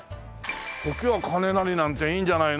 「時は金なり」なんていいんじゃないの？